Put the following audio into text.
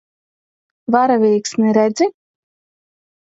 Varavīksni redzi?